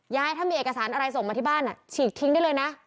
ยายถ้ามีเอกสารอะไรส่งมาที่บ้านฉีกทิ้งได้เลยนะ